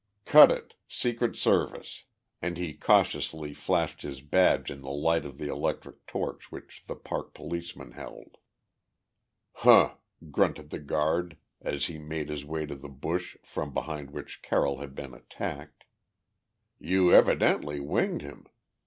Cut it! Secret Service!" and he cautiously flashed his badge in the light of the electric torch which the park policeman held. "Huh!" grunted the guard, as he made his way to the bush from behind which Carroll had been attacked. "You evidently winged him.